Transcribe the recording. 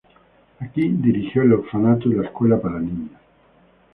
Aquí dirigió el orfanato y la escuela para niñas.